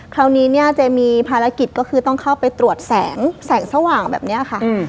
คราวนี้เนี่ยเจมีภารกิจก็คือต้องเข้าไปตรวจแสงแสงสว่างแบบนี้ค่ะ